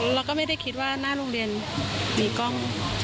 เราก็ไม่ได้คิดว่าหน้าโรงเรียนมีกล้อง